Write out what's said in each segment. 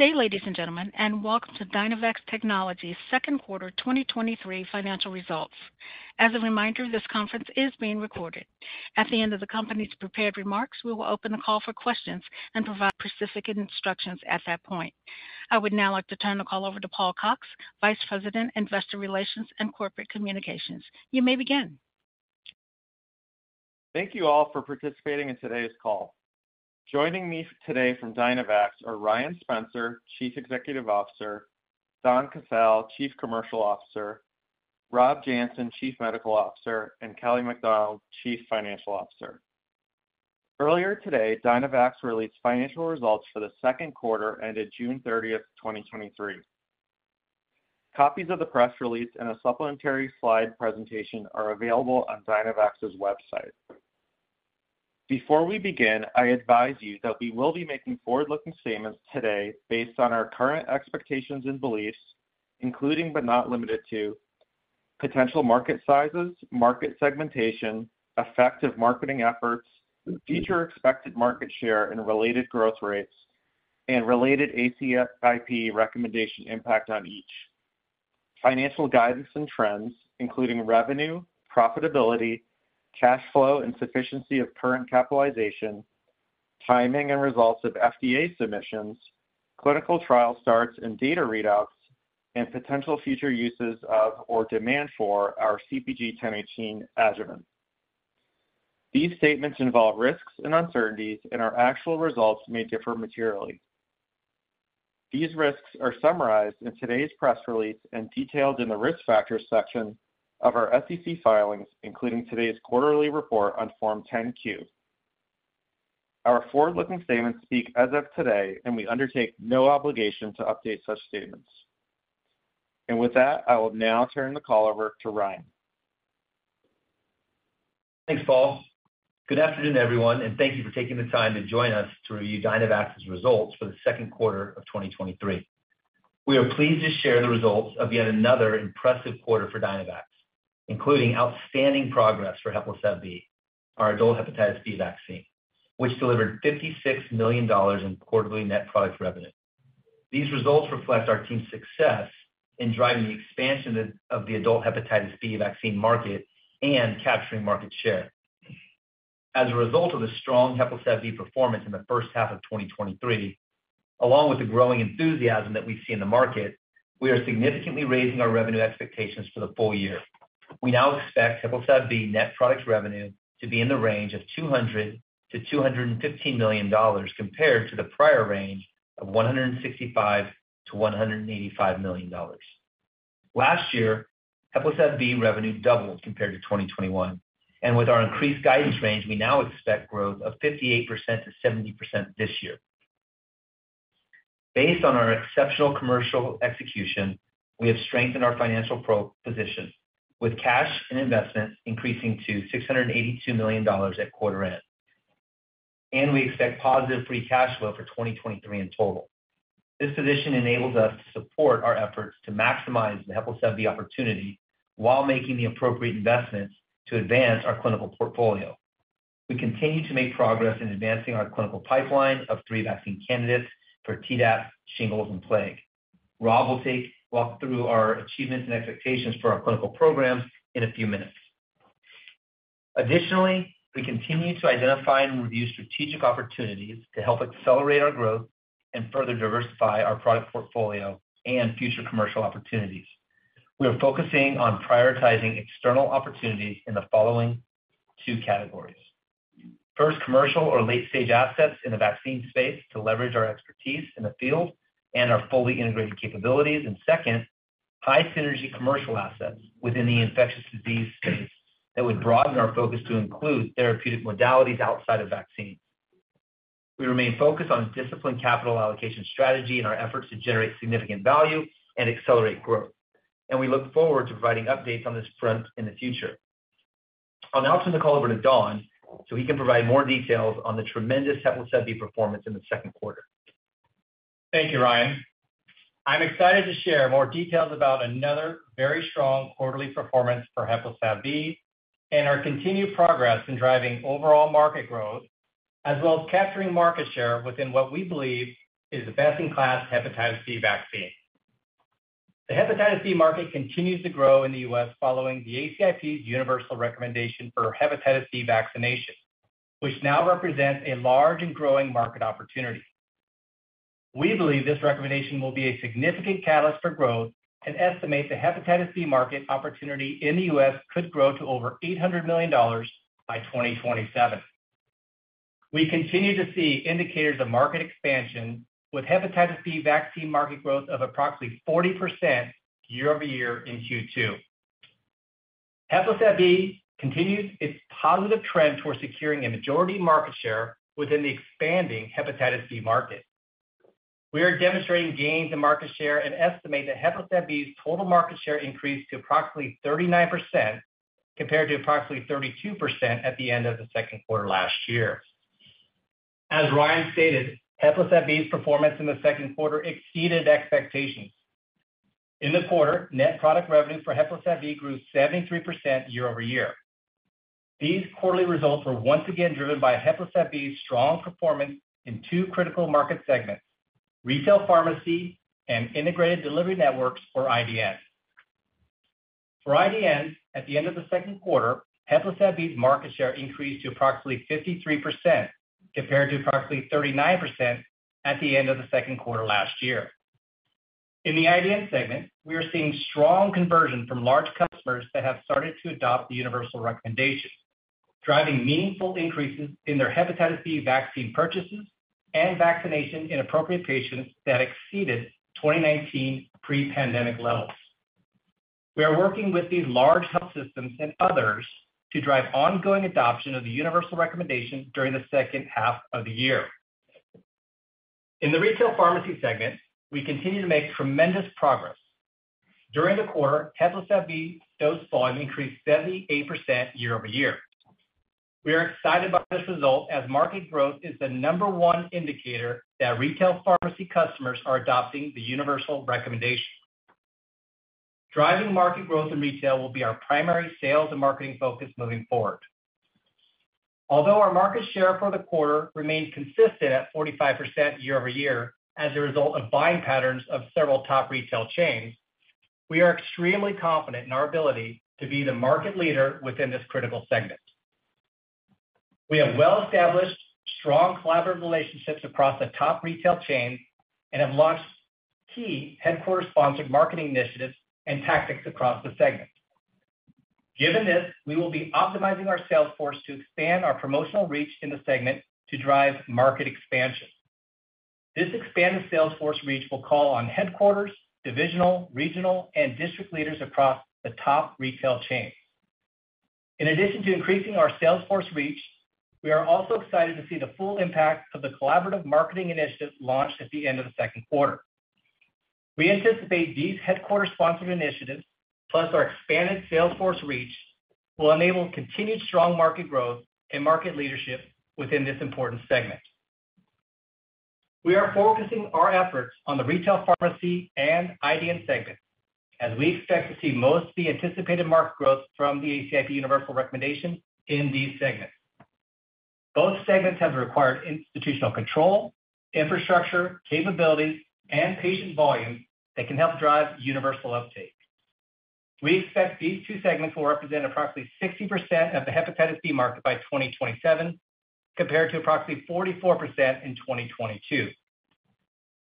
Good day, ladies and gentlemen, welcome to Dynavax Technologies' second quarter 2023 financial results. As a reminder, this conference is being recorded. At the end of the company's prepared remarks, we will open the call for questions and provide specific instructions at that point. I would now like to turn the call over to Paul Cox, Vice President, Investor Relations and Corporate Communications. You may begin. Thank you all for participating in today's call. Joining me today from Dynavax are Ryan Spencer, Chief Executive Officer; Donn Casale, Chief Commercial Officer; Rob Janssen, Chief Medical Officer; and Kelly Macdonald, Chief Financial Officer. Earlier today, Dynavax released financial results for the second quarter ended June 30th, 2023. Copies of the press release and a supplementary slide presentation are available on Dynavax's website. Before we begin, I advise you that we will be making forward-looking statements today based on our current expectations and beliefs, including, but not limited to, potential market sizes, market segmentation, effective marketing efforts, future expected market share and related growth rates, and related ACIP recommendation impact on each. Financial guidance and trends, including revenue, profitability, cash flow, and sufficiency of current capitalization, timing and results of FDA submissions, clinical trial starts and data readouts, and potential future uses of or demand for our CpG 1018 adjuvant. These statements involve risks and uncertainties, and our actual results may differ materially. These risks are summarized in today's press release and detailed in the Risk Factors section of our SEC filings, including today's quarterly report on Form 10-Q. Our forward-looking statements speak as of today, and we undertake no obligation to update such statements. With that, I will now turn the call over to Ryan. Thanks, Paul. Good afternoon, everyone, and thank you for taking the time to join us to review Dynavax's results for the second quarter of 2023. We are pleased to share the results of yet another impressive quarter for Dynavax, including outstanding progress for HEPLISAV-B, our adult hepatitis B vaccine, which delivered $56 million in quarterly net product revenue. These results reflect our team's success in driving the expansion of the adult hepatitis B vaccine market and capturing market share. As a result of the strong HEPLISAV-B performance in the first half of 2023, along with the growing enthusiasm that we see in the market, we are significantly raising our revenue expectations for the full year. We now expect HEPLISAV-B net product revenue to be in the range of $200 million-$215 million, compared to the prior range of $165 million-$185 million. Last year, HEPLISAV-B revenue doubled compared to 2021, and with our increased guidance range, we now expect growth of 58%-70% this year. Based on our exceptional commercial execution, we have strengthened our financial proposition, with cash and investments increasing to $682 million at quarter end, and we expect positive free cash flow for 2023 in total. This position enables us to support our efforts to maximize the HEPLISAV-B opportunity while making the appropriate investments to advance our clinical portfolio. We continue to make progress in advancing our clinical pipeline of three vaccine candidates for Tdap, shingles, and plague. Rob will walk through our achievements and expectations for our clinical programs in a few minutes. Additionally, we continue to identify and review strategic opportunities to help accelerate our growth and further diversify our product portfolio and future commercial opportunities. We are focusing on prioritizing external opportunities in the following two categories: First, commercial or late-stage assets in the vaccine space to leverage our expertise in the field and our fully integrated capabilities. Second, high-synergy commercial assets within the infectious disease space that would broaden our focus to include therapeutic modalities outside of vaccines. We remain focused on disciplined capital allocation strategy in our efforts to generate significant value and accelerate growth, and we look forward to providing updates on this front in the future. I'll now turn the call over to Donn, so he can provide more details on the tremendous HEPLISAV-B performance in the second quarter. Thank you, Ryan. I'm excited to share more details about another very strong quarterly performance for HEPLISAV-B and our continued progress in driving overall market growth, as well as capturing market share within what we believe is the best-in-class hepatitis B vaccine. The hepatitis B market continues to grow in the U.S. following the ACIP's universal recommendation for hepatitis B vaccination, which now represents a large and growing market opportunity. We believe this recommendation will be a significant catalyst for growth and estimate the hepatitis B market opportunity in the U.S. could grow to over $800 million by 2027. We continue to see indicators of market expansion, with hepatitis B vaccine market growth of approximately 40% year-over-year in Q2. HEPLISAV-B continues its positive trend towards securing a majority market share within the expanding hepatitis B market. We are demonstrating gains in market share and estimate that HEPLISAV-B's total market share increased to approximately 39%, compared to approximately 32% at the end of the second quarter last year. As Ryan stated, HEPLISAV-B's performance in the second quarter exceeded expectations. In the quarter, net product revenue for HEPLISAV-B grew 73% year-over-year. These quarterly results were once again driven by HEPLISAV-B's strong performance in two critical market segments: retail pharmacy and integrated delivery networks, or IDN. For IDN, at the end of the second quarter, HEPLISAV-B's market share increased to approximately 53%, compared to approximately 39% at the end of the second quarter last year. In the IDN segment, we are seeing strong conversion from large customers that have started to adopt the universal recommendation, driving meaningful increases in their hepatitis B vaccine purchases and vaccination in appropriate patients that exceeded 2019 pre-pandemic levels. We are working with these large health systems and others to drive ongoing adoption of the universal recommendation during the second half of the year. In the retail pharmacy segment, we continue to make tremendous progress. During the quarter, HEPLISAV-B dose volume increased 78% year-over-year. We are excited about this result, as market growth is the number one indicator that retail pharmacy customers are adopting the universal recommendation. Driving market growth and retail will be our primary sales and marketing focus moving forward. Although our market share for the quarter remained consistent at 45% year-over-year as a result of buying patterns of several top retail chains, we are extremely confident in our ability to be the market leader within this critical segment. We have well-established, strong collaborative relationships across the top retail chains and have launched key headquarter-sponsored marketing initiatives and tactics across the segment. Given this, we will be optimizing our sales force to expand our promotional reach in the segment to drive market expansion. This expanded sales force reach will call on headquarters, divisional, regional, and district leaders across the top retail chains. In addition to increasing our sales force reach, we are also excited to see the full impact of the collaborative marketing initiatives launched at the end of the second quarter. We anticipate these headquarter-sponsored initiatives, plus our expanded sales force reach, will enable continued strong market growth and market leadership within this important segment. We are focusing our efforts on the retail pharmacy and IDN segments, as we expect to see most of the anticipated market growth from the ACIP universal recommendation in these segments. Both segments have the required institutional control, infrastructure, capabilities, and patient volume that can help drive universal uptake. We expect these two segments will represent approximately 60% of the hepatitis B market by 2027, compared to approximately 44% in 2022.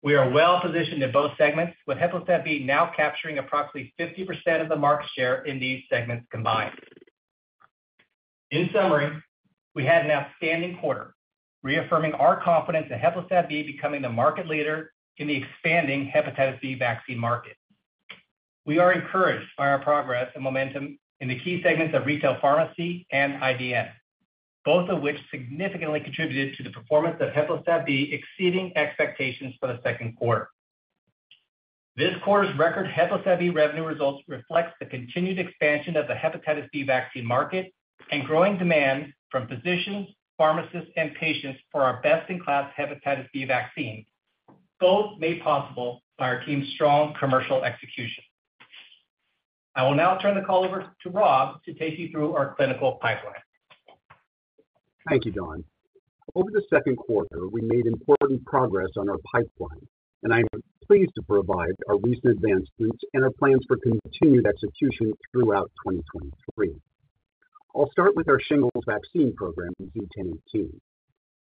We are well positioned in both segments, with HEPLISAV-B now capturing approximately 50% of the market share in these segments combined. In summary, we had an outstanding quarter, reaffirming our confidence in HEPLISAV-B becoming the market leader in the expanding hepatitis B vaccine market. We are encouraged by our progress and momentum in the key segments of retail pharmacy and IDN, both of which significantly contributed to the performance of HEPLISAV-B exceeding expectations for the second quarter. This quarter's record HEPLISAV-B revenue results reflects the continued expansion of the hepatitis B vaccine market and growing demand from physicians, pharmacists, and patients for our best-in-class hepatitis B vaccine, both made possible by our team's strong commercial execution. I will now turn the call over to Rob to take you through our clinical pipeline. Thank you, Donn. Over the second quarter, we made important progress on our pipeline, I'm pleased to provide our recent advancements and our plans for continued execution throughout 2023. I'll start with our shingles vaccine program, Z-1018.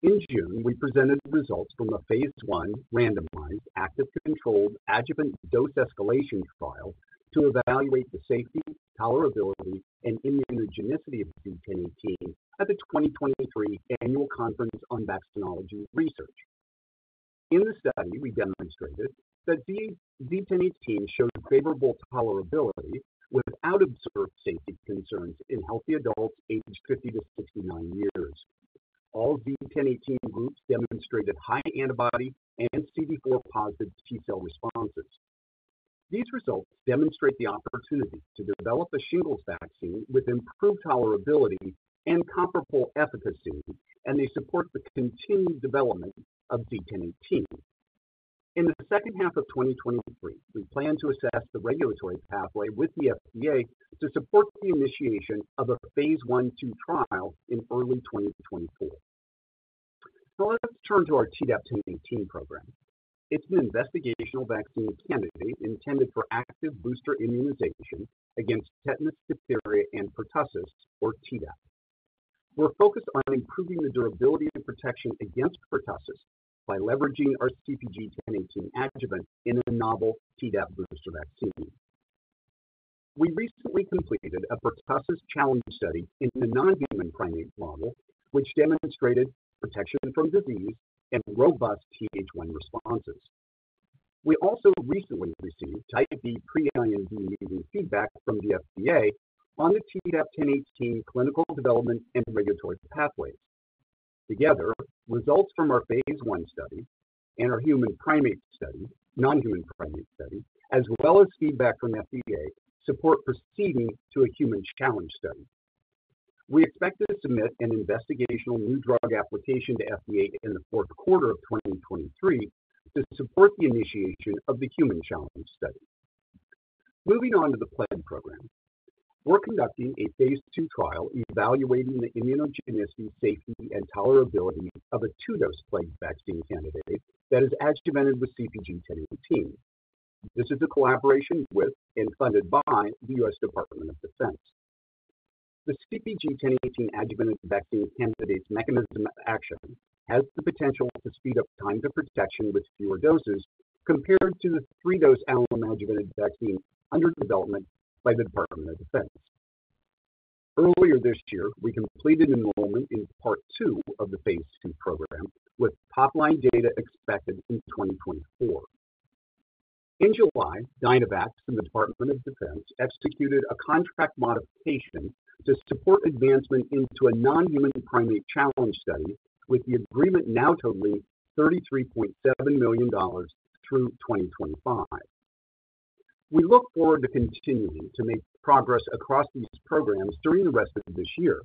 In June, we presented the results from a phase I randomized, active-controlled, adjuvant dose escalation trial to evaluate the safety, tolerability, and immunogenicity of Z-1018 at the 2023 Annual Conference on Vaccinology Research. In the study, we demonstrated that Z-1018 showed favorable tolerability without observed safety concerns in healthy adults aged 50-69 years. All Z-1018 groups demonstrated high antibody and CD4+ T cell responses. These results demonstrate the opportunity to develop a shingles vaccine with improved tolerability and comparable efficacy, They support the continued development of Z-1018. In the second half of 2023, we plan to assess the regulatory pathway with the FDA to support the initiation of a phase I trial in early 2024. Let's turn to our Tdap-1018 program. It's an investigational vaccine candidate intended for active booster immunization against tetanus, diphtheria, and pertussis, or Tdap. We're focused on improving the durability and protection against pertussis by leveraging our CpG 1018 adjuvant in a novel Tdap booster vaccine. We recently completed a pertussis challenge study in the non-human primate model, which demonstrated protection from disease and robust Th1 responses. We also recently received Type B pre-IND meeting feedback from the FDA on the Tdap-1018 clinical development and regulatory pathways. Together, results from our phase I study and our non-human primate study, as well as feedback from FDA, support proceeding to a human challenge study.... We expect to submit an Investigational New Drug Application to FDA in the fourth quarter of 2023 to support the initiation of the human challenge study. Moving on to the plague program. We're conducting a phase II trial evaluating the immunogenicity, safety, and tolerability of a two-dose plague vaccine candidate that is adjuvanted with CpG 1018. This is a collaboration with and funded by the U.S. Department of Defense. The CpG 1018-adjuvanted vaccine candidate's mechanism of action has the potential to speed up time to protection with fewer doses, compared to the three-dose alum-adjuvanted vaccine under development by the Department of Defense. Earlier this year, we completed enrollment in part two of the phase II program, with top-line data expected in 2024. In July, Dynavax and the Department of Defense executed a contract modification to support advancement into a non-human primate challenge study, with the agreement now totaling $33.7 million through 2025. We look forward to continuing to make progress across these programs during the rest of this year.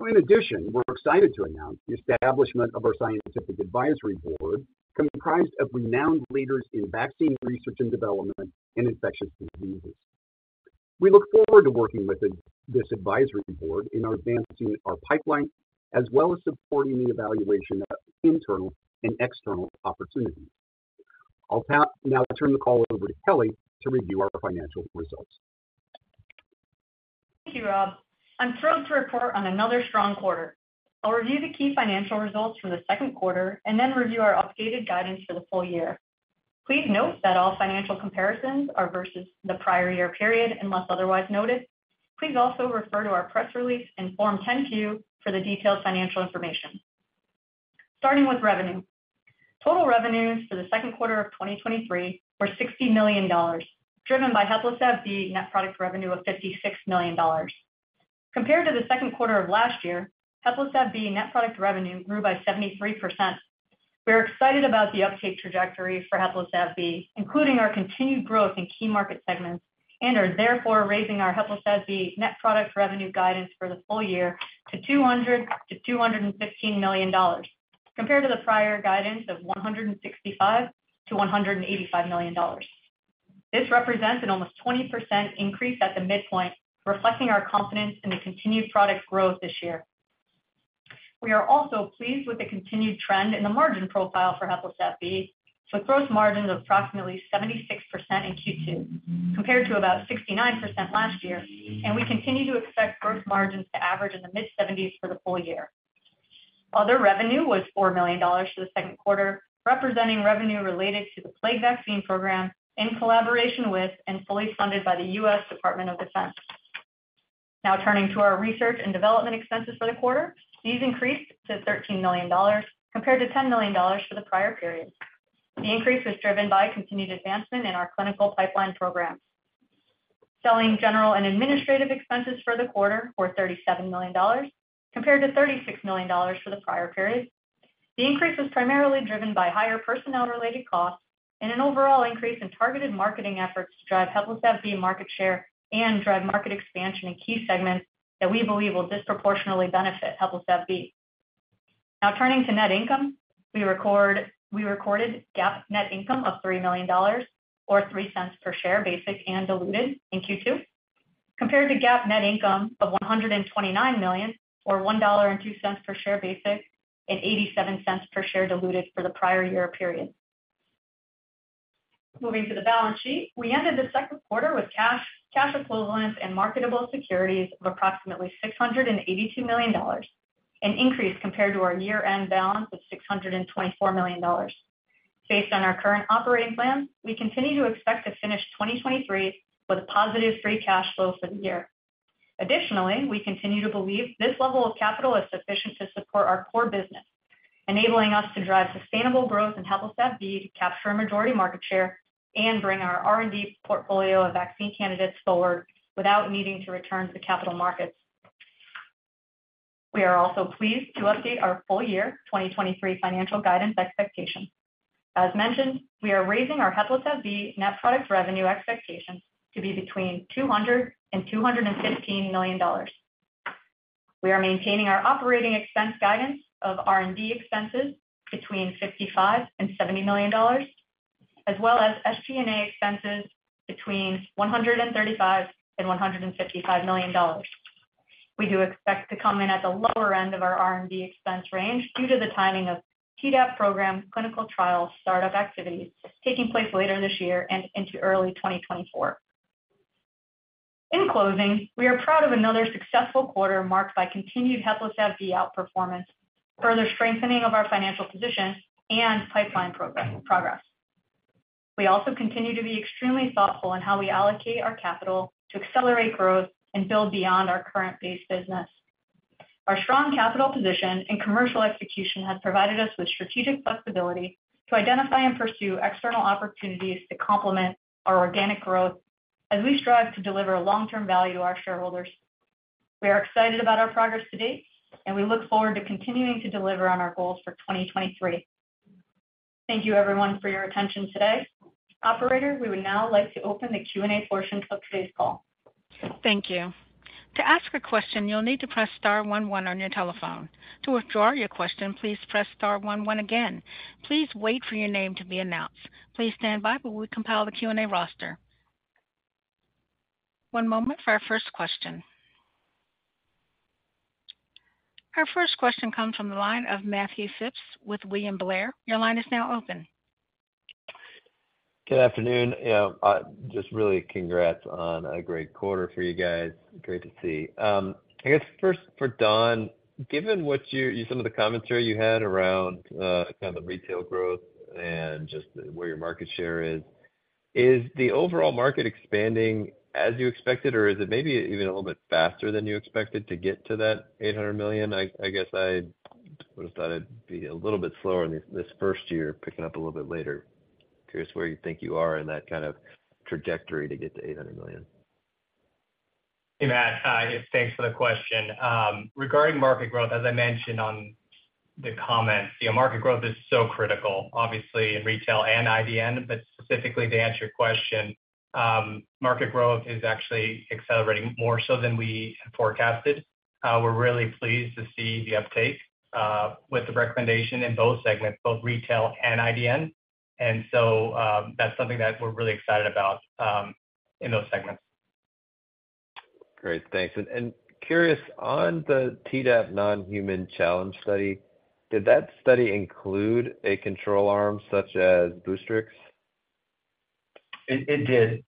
In addition, we're excited to announce the establishment of our scientific advisory board, comprised of renowned leaders in vaccine research and development and infectious diseases. We look forward to working with this advisory board in advancing our pipeline, as well as supporting the evaluation of internal and external opportunities. I'll now turn the call over to Kelly to review our financial results. Thank you, Rob. I'm thrilled to report on another strong quarter. I'll review the key financial results for the second quarter and then review our updated guidance for the full year. Please note that all financial comparisons are versus the prior year period, unless otherwise noted. Please also refer to our press release and Form 10-Q for the detailed financial information. Starting with revenue. Total revenues for the second quarter of 2023 were $60 million, driven by HEPLISAV-B net product revenue of $56 million. Compared to the second quarter of last year, HEPLISAV-B net product revenue grew by 73%. We're excited about the uptake trajectory for HEPLISAV-B, including our continued growth in key market segments, therefore raising our HEPLISAV-B net product revenue guidance for the full year to $200 million-$215 million, compared to the prior guidance of $165 million-$185 million. This represents an almost 20% increase at the midpoint, reflecting our confidence in the continued product growth this year. We are also pleased with the continued trend in the margin profile for HEPLISAV-B, with gross margins of approximately 76% in Q2, compared to about 69% last year, we continue to expect gross margins to average in the mid-70s for the full year. Other revenue was $4 million for the second quarter, representing revenue related to the plague vaccine program in collaboration with, and fully funded by the U.S. Department of Defense. Now turning to our research and development expenses for the quarter. These increased to $13 million, compared to $10 million for the prior period. The increase was driven by continued advancement in our clinical pipeline program. Selling, general, and administrative expenses for the quarter were $37 million, compared to $36 million for the prior period. The increase was primarily driven by higher personnel-related costs and an overall increase in targeted marketing efforts to drive HEPLISAV-B market share and drive market expansion in key segments that we believe will disproportionately benefit HEPLISAV-B. Now, turning to net income. We recorded GAAP net income of $3 million, or $0.03 per share, basic and diluted in Q2, compared to GAAP net income of $129 million, or $1.02 per share basic, and $0.87 per share diluted for the prior year period. Moving to the balance sheet. We ended the second quarter with cash, cash equivalents, and marketable securities of approximately $682 million, an increase compared to our year-end balance of $624 million. Based on our current operating plan, we continue to expect to finish 2023 with a positive free cash flow for the year. Additionally, we continue to believe this level of capital is sufficient to support our core business, enabling us to drive sustainable growth in HEPLISAV-B to capture a majority market share and bring our R&D portfolio of vaccine candidates forward without needing to return to the capital markets. We are also pleased to update our full year 2023 financial guidance expectations. As mentioned, we are raising our HEPLISAV-B net product revenue expectations to be between $200 million-$215 million. We are maintaining our operating expense guidance of R&D expenses between $55 million-$70 million, as well as SG&A expenses between $135 million-$155 million. We do expect to come in at the lower end of our R&D expense range due to the timing of Tdap program clinical trial startup activities taking place later this year and into early 2024. In closing, we are proud of another successful quarter marked by continued HEPLISAV-B outperformance, further strengthening of our financial position and pipeline progress, progress. We also continue to be extremely thoughtful in how we allocate our capital to accelerate growth and build beyond our current base business. Our strong capital position and commercial execution have provided us with strategic flexibility to identify and pursue external opportunities to complement our organic growth as we strive to deliver long-term value to our shareholders. We are excited about our progress to date, and we look forward to continuing to deliver on our goals for 2023. Thank you everyone for your attention today. Operator, we would now like to open the Q&A portion of today's call. Thank you. To ask a question, you'll need to press star one one on your telephone. To withdraw your question, please press star one one again. Please wait for your name to be announced. Please stand by while we compile the Q&A roster. One moment for our first question. Our first question comes from the line of Matthew Phipps with William Blair. Your line is now open. Good afternoon. Just really congrats on a great quarter for you guys. Great to see. I guess first for Donn, given what some of the commentary you had around, kind of retail growth and just where your market share is, is the overall market expanding as you expected, or is it maybe even a little bit faster than you expected to get to that $800 million? I guess I would have thought it'd be a little bit slower in this first year, picking up a little bit later. Curious where you think you are in that kind of trajectory to get to $800 million. Hey, Matt, hi, thanks for the question. Regarding market growth, as I mentioned on the comments, you know, market growth is so critical, obviously, in retail and IDN, but specifically to answer your question, market growth is actually accelerating more so than we forecasted. We're really pleased to see the uptake with the recommendation in both segments, both retail and IDN. So that's something that we're really excited about in those segments. Great, thanks. curious, on the Tdap non-human challenge study, did that study include a control arm such as Boostrix? It, it did.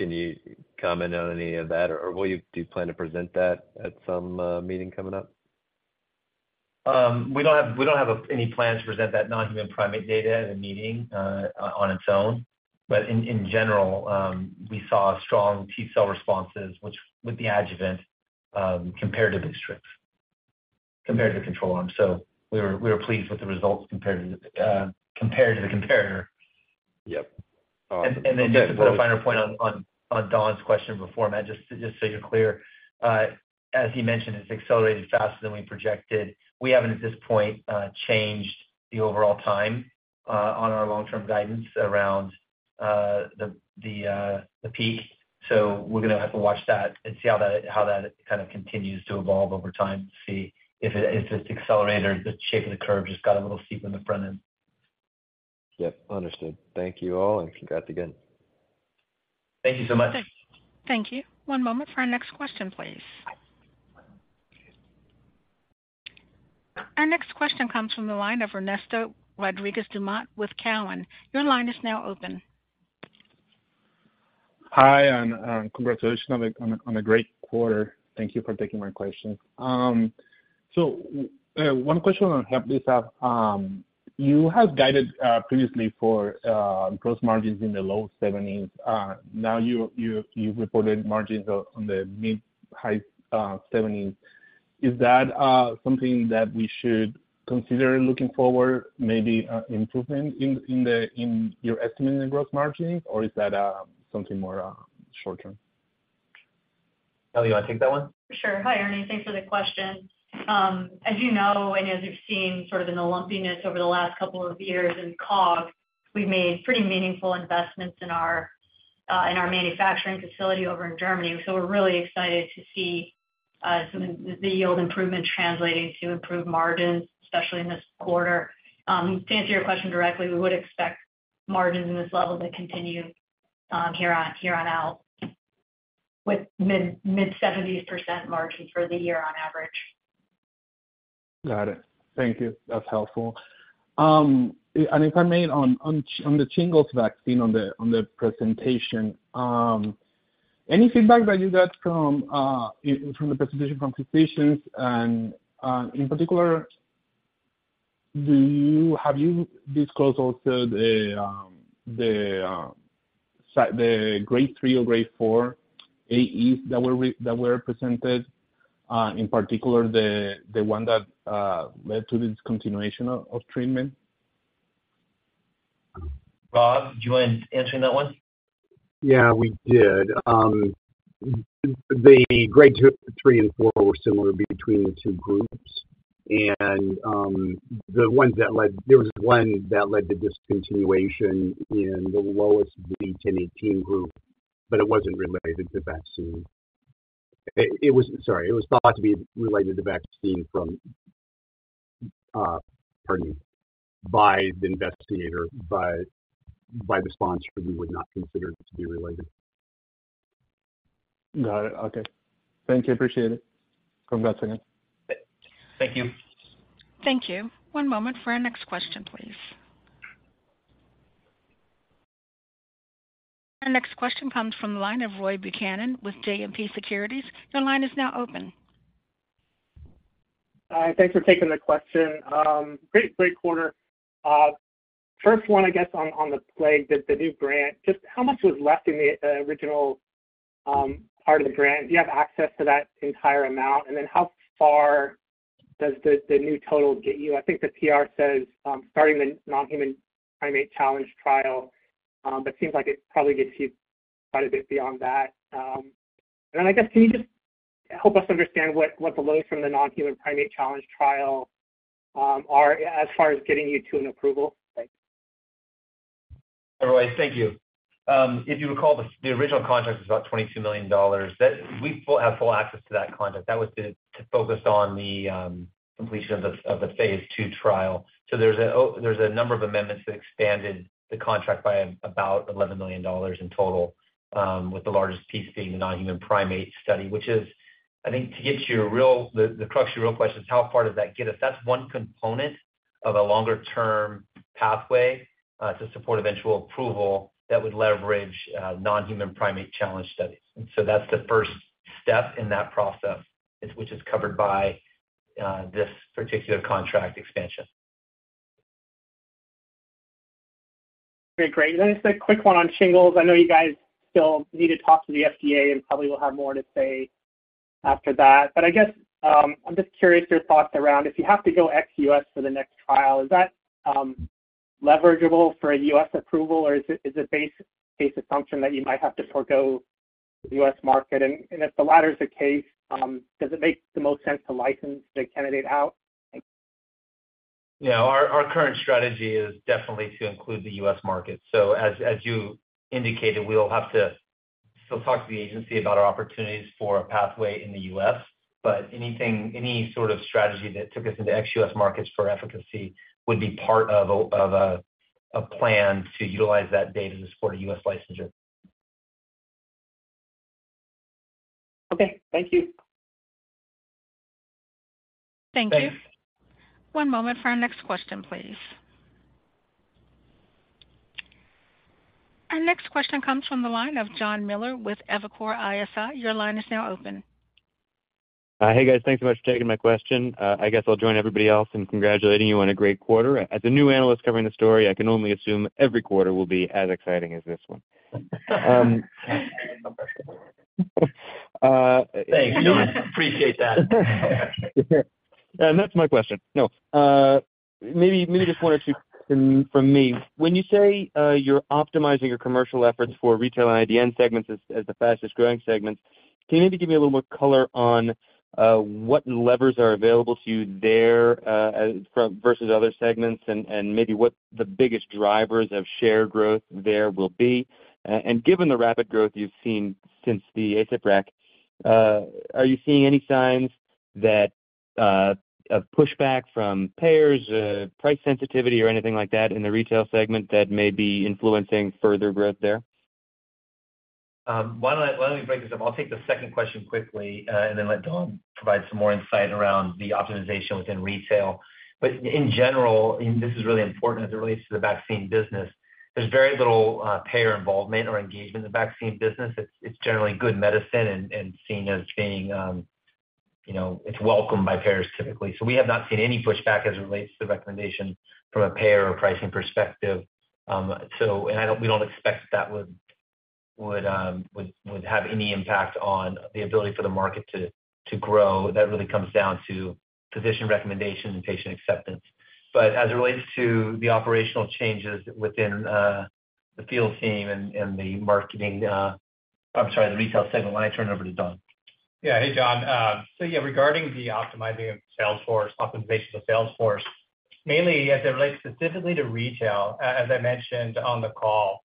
Can you comment on any of that, or do you plan to present that at some meeting coming up? We don't have, we don't have any plans to present that non-human primate data at a meeting, on its own. In, in general, we saw strong T cell responses, which with the adjuvant, compared to Boostrix, compared to the control arm. We were, we were pleased with the results compared to the, compared to the comparator. Yep. Awesome. Just to put a finer point on, on, on Donn's question before, Matt, just, just so you're clear. As he mentioned, it's accelerated faster than we projected. We haven't, at this point, changed the overall time on our long-term guidance around the, the, the peak. We're going to have to watch that and see how that, how that kind of continues to evolve over time, to see if it, if it's accelerated or the shape of the curve just got a little steep on the front end. Yep, understood. Thank you all, and congrats again. Thank you so much. Thank you. One moment for our next question, please. Our next question comes from the line of Ernesto Rodríguez-Dumont with Cowen. Your line is now open. Hi, congratulations on a great quarter. Thank you for taking my question. One question on Hep B. You have guided previously for gross margins in the low 70s. Now you've reported margins on the mid, high, 70s. Is that something that we should consider looking forward, maybe improvement in your estimate in the growth margins, or is that something more short-term? Kelly, you want to take that one? Sure. Hi, Ernie. Thanks for the question. As you know, and as you've seen sort of in the lumpiness over the last couple of years in COG, we've made pretty meaningful investments in our manufacturing facility over in Germany. We're really excited to see some of the yield improvement translating to improved margins, especially in this quarter. To answer your question directly, we would expect margins in this level to continue here on out, with mid-70s% margins for the year on average. Got it. Thank you. That's helpful. If I may, on the shingles vaccine, on the presentation, any feedback that you got from the presentation from physicians? In particular, have you disclosed also the Grade 3 or Grade 4 AEs that were presented, in particular, the one that led to the discontinuation of treatment? Rob, do you mind answering that one? Yeah, we did. The grade two, three, and four were similar between the two groups, and the ones that led... There was one that led to discontinuation in the lowest Z-1018 group, but it wasn't related to vaccine. It was thought to be related to vaccine from, pardon me, by the investigator, but by the sponsor, we would not consider it to be related. Got it. Okay. Thank you. Appreciate it. Congrats again. Thank you. Thank you. One moment for our next question, please. Our next question comes from the line of Roy Buchanan with JMP Securities. Your line is now open. Thanks for taking the question. Great, great quarter. First one, I guess on, on the plague, the new grant, just how much was left in the original part of the grant? Do you have access to that entire amount? Then how far does the new total get you? I think the PR says, starting the non-human primate challenge trial, but seems like it probably gets you quite a bit beyond that. I guess help us understand what the load from the non-human primate challenge trial are as far as getting you to an approval? Thanks. Alright, thank you. If you recall, the, the original contract was about $22 million. We still have full access to that contract. That was to, to focus on the, completion of the, of the phase II trial. There's a there's a number of amendments that expanded the contract by, about $11 million in total, with the largest piece being the non-human primate study, which is, I think, to get you a the, the crux of your real question is how far does that get us? That's one component of a longer-term pathway, to support eventual approval that would leverage, non-human primate challenge studies. That's the first step in that process, which is covered by, this particular contract expansion. Okay, great. Then just a quick one on shingles. I know you guys still need to talk to the FDA and probably will have more to say after that. I guess, I'm just curious your thoughts around if you have to go ex-U.S. for the next trial, is that leverageable for a U.S. approval, or is it, is a base, base assumption that you might have to forgo the U.S. market? If the latter is the case, does it make the most sense to license the candidate out? Thanks. Yeah, our, our current strategy is definitely to include the U.S. market. As, as you indicated, we'll have to still talk to the agency about our opportunities for a pathway in the U.S. Anything, any sort of strategy that took us into ex-U.S. markets for efficacy would be part of a, of a, a plan to utilize that data to support a U.S. licensure. Okay. Thank you. Thank you. Thanks. One moment for our next question, please. Our next question comes from the line of Jon Miller with Evercore ISI. Your line is now open. Hey, guys. Thanks so much for taking my question. I guess I'll join everybody else in congratulating you on a great quarter. As a new analyst covering the story, I can only assume every quarter will be as exciting as this one. Thanks. We appreciate that. That's my question. No. Maybe, maybe just one or two from, from me. When you say you're optimizing your commercial efforts for retail and IDN segments as, as the fastest growing segments, can you maybe give me a little more color on what levers are available to you there from versus other segments? Maybe what the biggest drivers of share growth there will be. Given the rapid growth you've seen since the ACIP rec, are you seeing any signs that a pushback from payers, price sensitivity or anything like that in the retail segment that may be influencing further growth there? Why don't I, why don't we break this up? I'll take the second question quickly, and then let Donn provide some more insight around the optimization within retail. But in general, and this is really important as it relates to the vaccine business, there's very little payer involvement or engagement in the vaccine business. It's, it's generally good medicine and, and seen as being, you know, it's welcomed by payers typically. So we have not seen any pushback as it relates to the recommendation from a payer or pricing perspective. So and I don't-- we don't expect that would, would, would, would have any impact on the ability for the market to, to grow. That really comes down to physician recommendation and patient acceptance. As it relates to the operational changes within, the field team and, and the marketing, I'm sorry, the retail segment, why don't I turn it over to Donn? Yeah. Hey, Jon. So yeah, regarding the optimizing of sales force, optimization of sales force, mainly as it relates specifically to retail, as I mentioned on the call,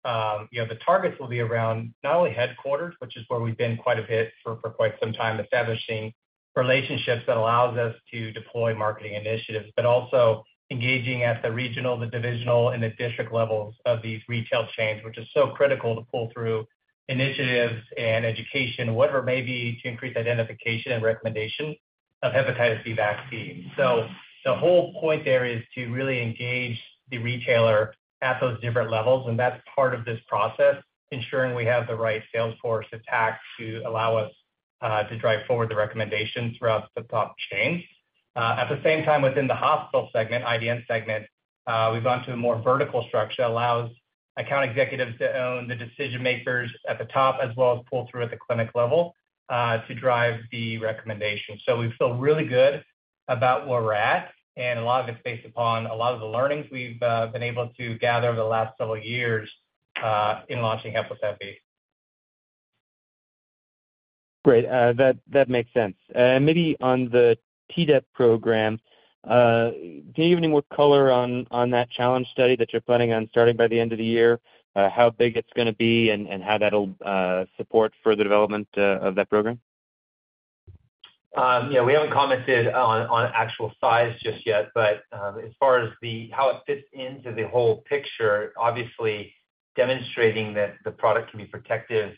you know, the targets will be around not only headquarters, which is where we've been quite a bit for, for quite some time, establishing relationships that allows us to deploy marketing initiatives, but also engaging at the regional, the divisional, and the district levels of these retail chains, which is so critical to pull through initiatives and education, whatever it may be, to increase identification and recommendation of hepatitis B vaccine. So the whole point there is to really engage the retailer at those different levels, and that's part of this process, ensuring we have the right sales force attack to allow us to drive forward the recommendations throughout the top chains. At the same time, within the hospital segment, IDN segment, we've gone to a more vertical structure that allows account executives to own the decision-makers at the top, as well as pull through at the clinic level, to drive the recommendation. We feel really good about where we're at, and a lot of it's based upon a lot of the learnings we've been able to gather over the last several years, in launching HEPLISAV-B. Great. That, that makes sense. Maybe on the Tdap program, do you have any more color on, on that challenge study that you're planning on starting by the end of the year? How big it's gonna be and, and how that'll support further development of that program? Yeah, we haven't commented on, on actual size just yet, but as far as the, how it fits into the whole picture, obviously demonstrating that the product can be protective,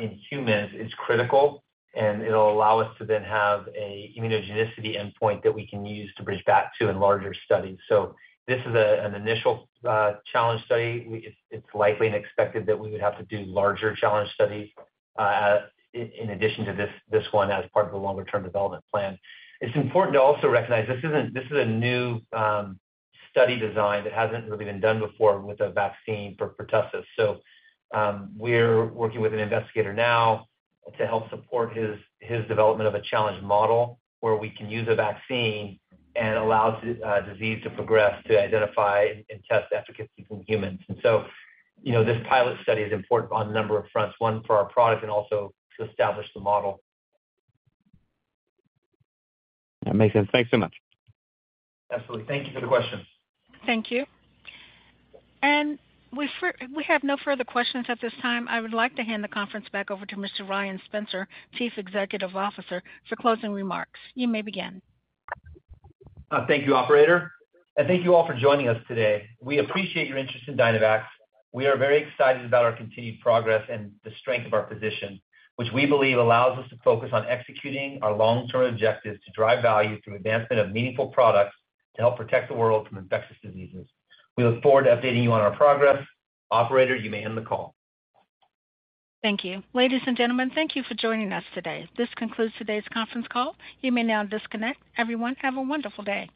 in humans is critical, and it'll allow us to then have a immunogenicity endpoint that we can use to bridge back to in larger studies. This is a, an initial, challenge study. It's likely and expected that we would have to do larger challenge studies, in, in addition to this, this one, as part of a longer-term development plan. It's important to also recognize this is a new, study design that hasn't really been done before with a vaccine for pertussis. We're working with an investigator now to help support his, his development of a challenge model, where we can use a vaccine and allow the disease to progress to identify and test efficacy in humans. You know, this pilot study is important on a number of fronts, one, for our product and also to establish the model. That makes sense. Thanks so much. Absolutely. Thank you for the question. Thank you. We have no further questions at this time. I would like to hand the conference back over to Mr. Ryan Spencer, Chief Executive Officer, for closing remarks. You may begin. Thank you, operator, and thank you all for joining us today. We appreciate your interest in Dynavax. We are very excited about our continued progress and the strength of our position, which we believe allows us to focus on executing our long-term objectives to drive value through advancement of meaningful products to help protect the world from infectious diseases. We look forward to updating you on our progress. Operator, you may end the call. Thank you. Ladies and gentlemen, thank you for joining us today. This concludes today's conference call. You may now disconnect. Everyone, have a wonderful day.